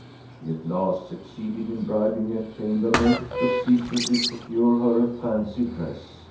She at last succeeded in bribing a chambermaid to secretly procure her a fancy dress.